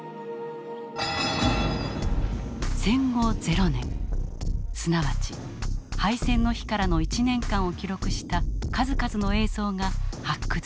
戦後ゼロ年すなわち敗戦の日からの１年間を記録した数々の映像が発掘された。